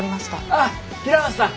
あっ平松さん